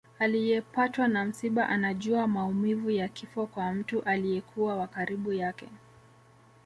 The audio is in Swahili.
Aliyepatwa na msiba anajua maumivu ya kifo kwa mtu aliyekuwa wa karibu yake